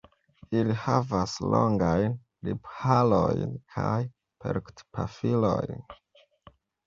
Ili havas longajn lipharojn kaj perkutpafilojn.